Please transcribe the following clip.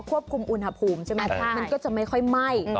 ควบคุมอุณหภูมิใช่ไหมมันก็จะไม่ค่อยไหม้